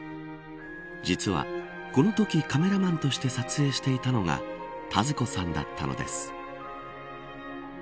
実は、このときカメラマンとして撮影していたのが田鶴子さんだったのです。